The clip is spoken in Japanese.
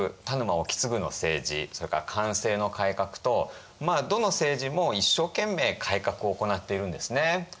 田沼意次の政治それから寛政の改革とまあどの政治も一生懸命改革を行っているんですね。